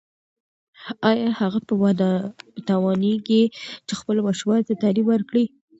ایا هغه به وتوانیږي چې خپلو ماشومانو ته تعلیم ورکړي؟